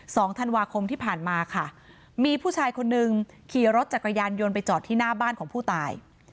สองธันวาคมที่ผ่านมาค่ะมีผู้ชายคนนึงขี่รถจักรยานยนต์ไปจอดที่หน้าบ้านของผู้ตาย